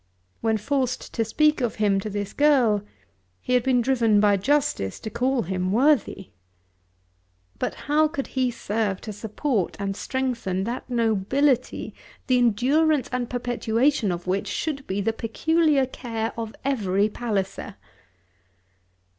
When forced to speak of him to this girl he had been driven by justice to call him worthy. But how could he serve to support and strengthen that nobility, the endurance and perpetuation of which should be the peculiar care of every Palliser?